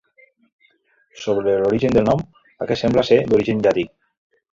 Sobre l'origen del nom, aquest sembla ser d'origen llatí.